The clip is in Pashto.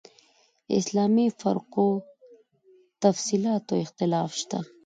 اسلامي فرقو تفصیلاتو اختلاف شته.